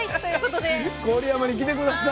郡山に来て下さい。